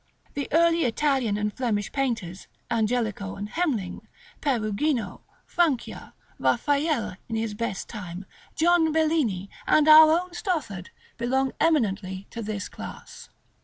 The early Italian and Flemish painters, Angelico and Hemling, Perugino, Francia, Raffaelle in his best time, John Bellini, and our own Stothard, belong eminently to this class. § LIII.